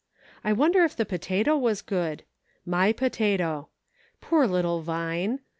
I wonder if the potato was good .• My potato. Poor little Vine